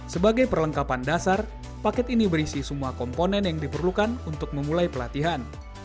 sebagai perlengkapan dasar paket ini berisi semua komponen yang diperlukan untuk memulai pelatihan